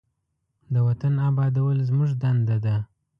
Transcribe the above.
د وطن آبادول زموږ دنده ده.